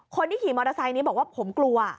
คนที่ขี่มอเตอร์ไซค์นี้บอกว่าผมกลัว